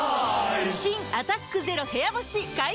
新「アタックＺＥＲＯ部屋干し」解禁‼